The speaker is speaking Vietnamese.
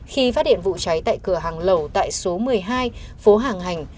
khi phát hiện vụ cháy tại cửa hàng lẩu tại số một mươi hai phố hàng hành